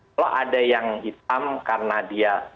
kalau ada yang hitam karena dia